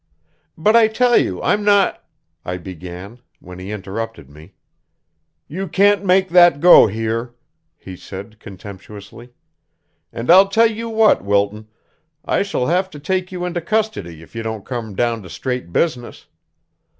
"But I tell you I'm not " I began, when he interrupted me. "You can't make that go here," he said contemptuously. "And I'll tell you what, Wilton, I shall have to take you into custody if you don't come down to straight business.